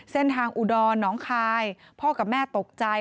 เส้นทางอุดรน้องคายพ่อกับแม่ตกใจ